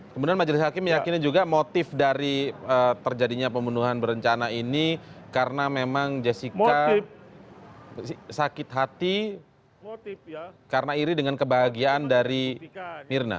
kemudian majelis hakim meyakini juga motif dari terjadinya pembunuhan berencana ini karena memang jessica sakit hati karena iri dengan kebahagiaan dari mirna